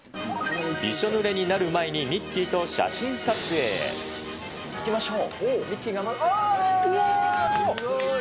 びしょぬれになる前に、ミッキー行きましょう。